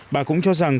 bà cũng cho rằng